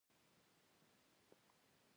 د فارم لپاره معیاري نقشه جوړول حتمي ده.